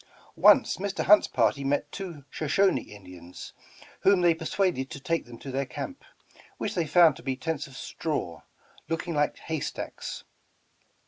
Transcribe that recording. Once Mr. Hunt's party met two Shoshoni Indians, whom they persuaded to take them to tlieir camp, which they found to be tents of straw, looking like haystacks.